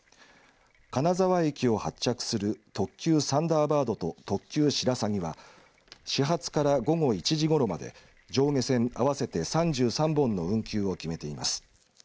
金沢駅を発着する特急サンダーバードと特急しらさぎは始発から午後１時ごろまで上下線合わせて３３本の運休を決めています。